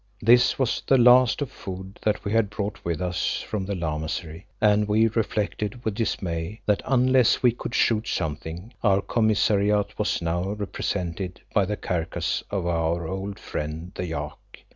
This was the last of the food that we had brought with us from the Lamasery, and we reflected with dismay that unless we could shoot something, our commissariat was now represented by the carcass of our old friend the yak.